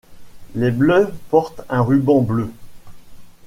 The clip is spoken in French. Les bleus portent un ruban bleu.